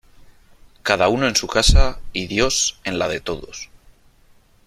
Cada uno en su casa, y Dios en la de todos.